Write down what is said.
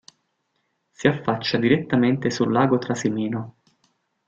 Si affaccia direttamente sul Lago Trasimeno.